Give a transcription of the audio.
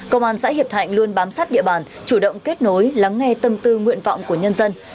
công an xã hiệp thạnh luôn bám sát địa bàn chủ động kết nối lắng nghe tâm tư nguyện vọng của nhân dân